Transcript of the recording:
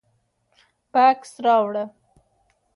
_بکس راوړه.